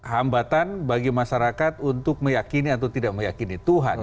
hambatan bagi masyarakat untuk meyakini atau tidak meyakini tuhan